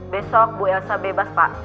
besok bu elsa bebas pak